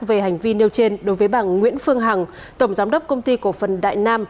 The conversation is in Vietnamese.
về hành vi nêu trên đối với bà nguyễn phương hằng tổng giám đốc công ty cổ phần đại nam